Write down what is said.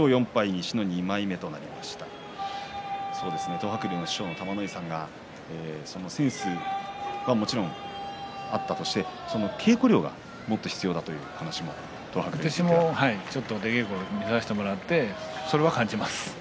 東白龍の師匠の玉ノ井さんがセンスはもちろんあったとして稽古量がもっと必要だという話を稽古を見させていただいてそれを感じます。